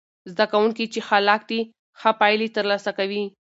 زده کوونکي چې خلاق دي، ښه پایلې ترلاسه کوي.